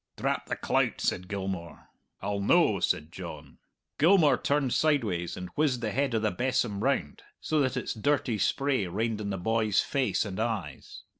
"Drap the clout," said Gilmour. "I'll no," said John. Gilmour turned sideways and whizzed the head of the besom round so that its dirty spray rained in the boy's face and eyes.